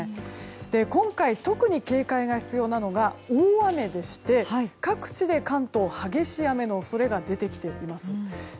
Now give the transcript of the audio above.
今回、特に警戒が必要なのが大雨で関東各地で激しい雨の恐れが出てきています。